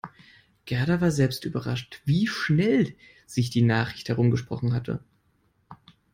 Gerda war selbst überrascht, wie schnell sich die Nachricht herumgesprochen hatte.